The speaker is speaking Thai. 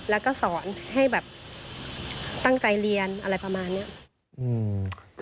แล้วก็สอนให้แบบตั้งใจเรียนอะไรประมาณเนี้ยอืม